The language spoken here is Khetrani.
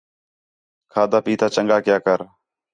کھادا پِیتا چنڳا کیا کر